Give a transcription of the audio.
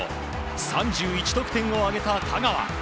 ３１得点を挙げた香川。